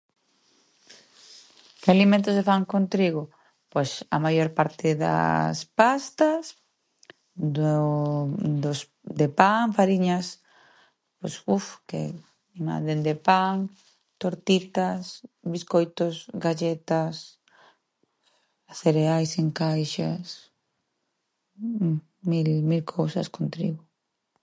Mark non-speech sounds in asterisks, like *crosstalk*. Que alimentos se fan con trigo? Pois a maior parte das pastas, do dos de pan, fariñas, *hesitation* *unintelligible* dende pan, tortitas, biscoitos, galletas, cereais en caixas, mil mil cousas con trigo.